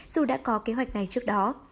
dù đã có kế hoạch này trước đó